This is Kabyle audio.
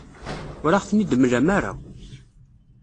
Ur aɣ-ten-id-temlam ara.